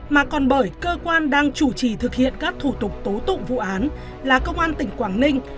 mà còn bởi cơ quan đang chủ trì thực hiện các thủ tục tố tụng vụ án là công an tỉnh quảng ninh